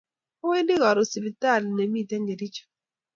Awendi karun sitipali ne miten Kericho